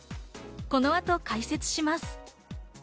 この後、解説します。